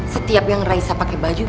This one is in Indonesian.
setiap yang raisa pakai baju